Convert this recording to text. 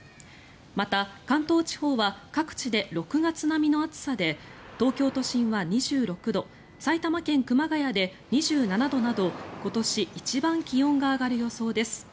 また、関東地方は各地で６月並みの暑さで東京都心は２６度埼玉県熊谷で２７度など今年一番気温が上がる予想です。